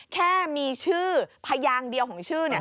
แค่มีชื่อพยางเดียวของชื่อ